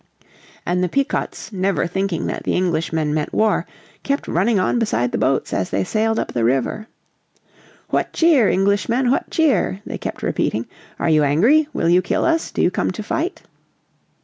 And the Pequots, never thinking that the Englishmen meant war, kept running on beside the boats as they sailed up the river. "What cheer, Englishmen, what cheer?" they kept repeating. "Are you angry? Will you kill us? Do you come to fight?"